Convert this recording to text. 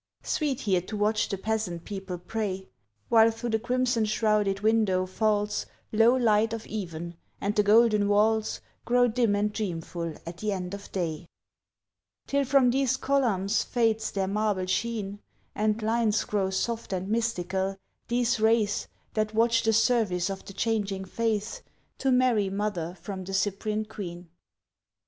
Sweet here to watch the peasant people pray, While through the crimson shrouded window falls Low light of even, and the golden walls Grow dim and dreamful at the end of day, Till from these columns fades their marble sheen, And lines grow soft and mystical, these wraiths That watch the service of the changing faiths, To Mary mother from the Cyprian queen.